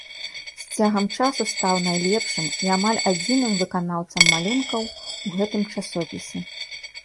З цягам часу стаў найлепшым і амаль адзіным выканаўцам малюнкаў у гэтым часопісе.